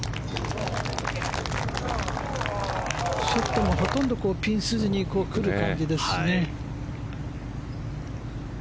ショットもほとんどピン筋に来る感じですしね。